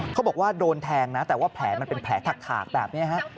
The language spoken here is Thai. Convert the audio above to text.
เขาบอกว่าโดนแทงนะแต่ว่าแผลมันเป็นแผลถากแบบนี้ฮะ